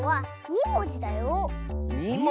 ２もじ？